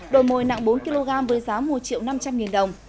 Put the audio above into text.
đồi mồi nặng bốn kg với giá một triệu năm trăm linh nghìn đồng